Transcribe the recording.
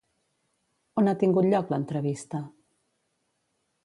On ha tingut lloc l'entrevista?